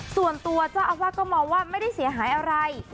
ส่วนตัวเจ้าอาวาสก็มองว่าไม่ได้เสียหายอะไร